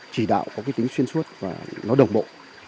chỉ đạo có cái tính xuyên suốt và nó đồng bộ